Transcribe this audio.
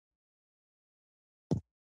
مامور باید خپله دنده د قانون مطابق وکړي.